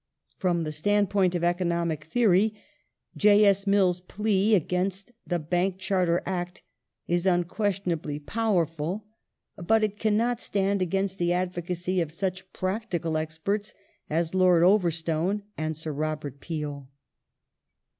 From the standpoint of economic theory J. S. Mill's plea ^ against the Bank Charter Act is unquestionably powerful ; but it cannot stand against the advocacy of such practical experts as Lord Over stone and Sir Robert Peel.